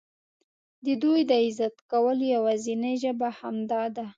د دوی د عزت کولو یوازینۍ ژبه همدا ده.